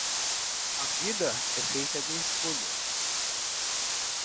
A vida é feita de escolhas.